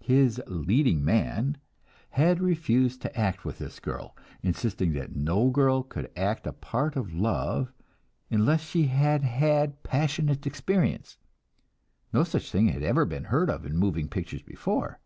His "leading man" had refused to act with this girl, insisting that no girl could act a part of love unless she had had passionate experience; no such thing had ever been heard of in moving pictures before.